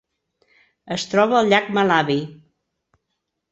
Es troba al llac Malawi.